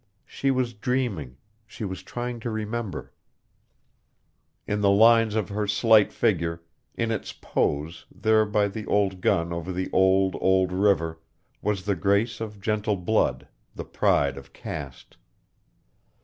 She was dreaming, she was trying to remember. In the lines of her slight figure, in its pose there by the old gun over the old, old river, was the grace of gentle blood, the pride of caste.